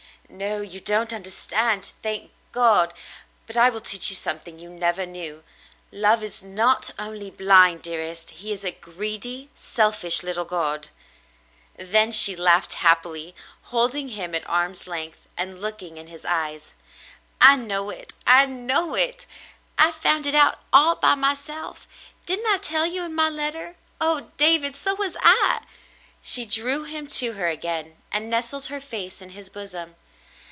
"No, you don't understand, thank God. But I will teach you something you never knew. Love is not only blind, dearest ; he is a greedy, selfish little god." Then she laughed happily, holding him at arm's length and looking in his eyes. "I know it. I know it. I found it out all by myself. Didn't I tell you in my letter ? Oh, David, so was I !" She drew him to her again and nestled her face in his bosom.